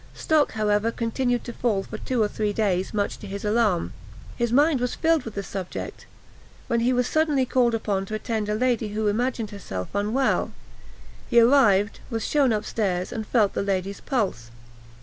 Stock, however, continued to fall for two or three days, much to his alarm. His mind was filled with the subject, when he was suddenly called upon to attend a lady who imagined herself unwell. He arrived, was shewn up stairs, and felt the lady's pulse.